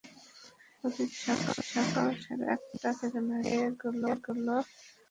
প্রতিদিন সকাল সাড়ে আটটা থেকে নয়টার দিকে এগুলোর চলাচল শুরু হয়।